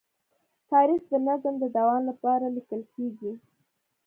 تاریخ د نظم د دوام لپاره لیکل کېږي.